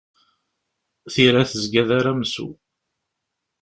Tira tezga d aramsu.